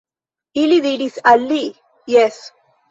Ili diris al li: Jes.